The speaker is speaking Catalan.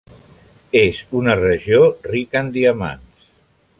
És una regió rica en diamants.